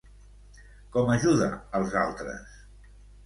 Com ajuda als altres?